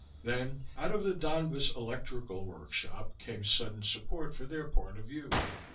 Then, out of the Donbas Electrical Workshop, came sudden support for their point of view.